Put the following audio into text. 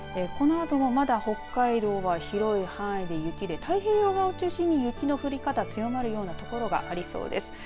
このあともまだ北海道は広い範囲で雪で太平洋側を中心に雪の降り方強まるような所がありそうです。